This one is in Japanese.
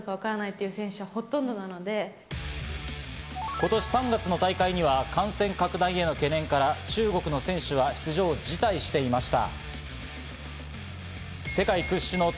今年３月の大会には感染拡大への懸念から、中国の選手は出場を辞退していました。